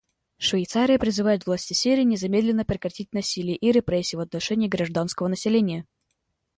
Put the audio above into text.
Швейцария призывает власти Сирии незамедлительно прекратить насилие и репрессии в отношении гражданского населения.